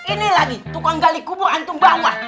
ini lagi tukang gali kubur antum bawah